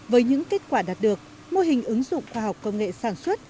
với những kết quả đạt được mô hình ứng dụng khoa học công nghệ sản xuất